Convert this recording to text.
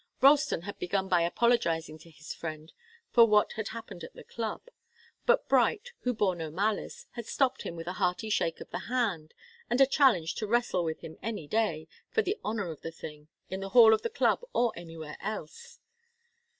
Ralston had begun by apologizing to his friend for what had happened at the club, but Bright, who bore no malice, had stopped him with a hearty shake of the hand, and a challenge to wrestle with him any day, for the honour of the thing, in the hall of the club or anywhere else.